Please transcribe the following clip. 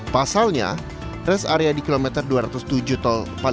pasalnya rest area di kilometer dua ratus tujuh tol